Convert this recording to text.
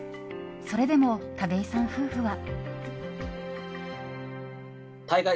それでも田部井さん夫婦は。